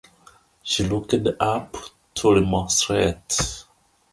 She looked up to remonstrate.